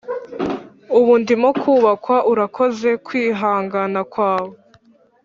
ubu ndimo kubakwa. urakoze kwihangana kwawe.